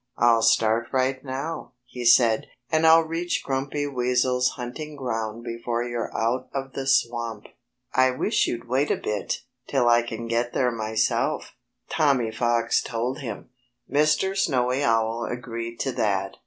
"I'll start right now," he said, "and I'll reach Grumpy Weasel's hunting ground before you're out of the swamp." "I wish you'd wait a bit, till I can get there myself," Tommy Fox told him. Mr. Snowy Owl agreed to that.